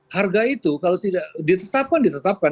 harga itu kalau tidak ditetapkan ditetapkan